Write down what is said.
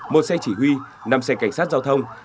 một xe chỉ huy năm xe cảnh sát giao thông